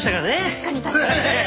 確かに確かに。